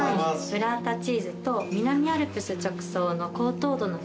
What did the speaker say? ブラータチーズと南アルプス直送の高糖度のフルーツトマト。